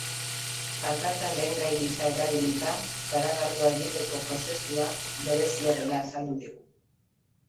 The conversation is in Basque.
Patata lehengai gisa erabilita, garagardoa egiteko prozesua berezia dela azaldu digu.